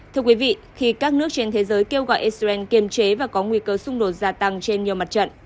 thưa quý vị khi các nước trên thế giới kêu gọi israel kiềm chế và có nguy cơ xung đột gia tăng trên nhiều mặt trận